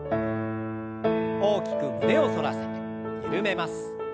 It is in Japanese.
大きく胸を反らせてゆるめます。